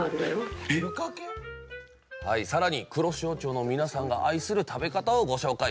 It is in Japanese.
更に黒潮町の皆さんが愛する食べ方をご紹介！